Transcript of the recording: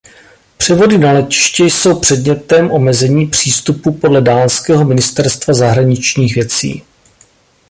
Převody na letiště jsou předmětem omezení přístupu podle Dánského Ministerstva zahraničních věcí.